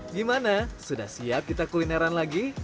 gimana sudah siap kita kulineran lagi